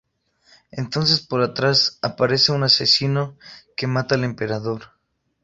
Entonces por atrás aparece un asesino, que mata al emperador.